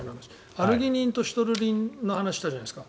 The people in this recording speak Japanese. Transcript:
アルギニンとシトルリンの話をしたじゃないですか。